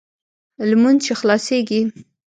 لمونځ چې خلاصېږي.